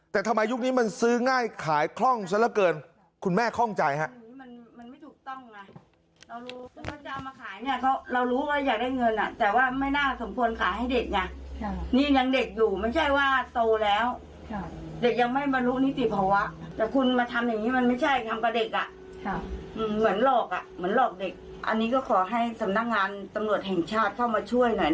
แต่ทำไมยุคนี้มันซื้อง่ายขายคล่องซะละเกินคุณแม่คล่องใจฮะ